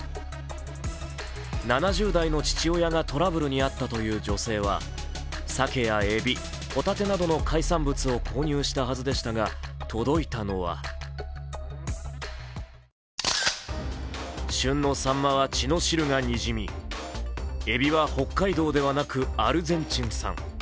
７０代の父親がトラブルに遭ったという女性はさけやえび、ほたてなどの海産物を購入したはずでしたが届いたのは旬のさんまは血の汁がにじみえびは北海道ではなくアルゼンチン産。